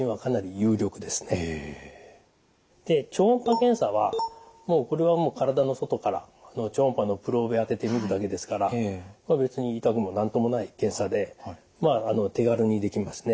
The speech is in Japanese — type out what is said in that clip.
で超音波検査はこれはもう体の外から超音波のプローブ当てて診るだけですから別に痛くも何ともない検査で手軽にできますね。